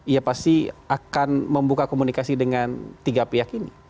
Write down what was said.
ya pasti akan membuka komunikasi dengan tiga pihak ini